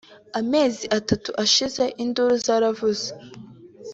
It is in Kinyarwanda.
Amezi atatu ashize induru zaravuze